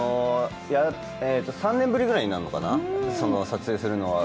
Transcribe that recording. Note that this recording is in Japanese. ３年ぶりぐらいになるのかな、撮影するのは。